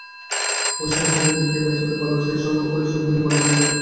ঐ সিংহকে দেখিয়া মেষের পাল এবং সেই সঙ্গে ঐ সিংহটিও পলায়ন করিল।